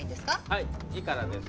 はい魏からです。